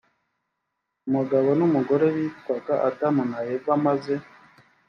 umugabo n umugore bitwaga adamu na eva maze